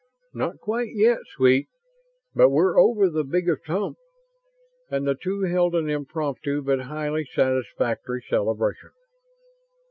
"Not quite yet, sweet, but we're over the biggest hump," and the two held an impromptu, but highly satisfactory, celebration.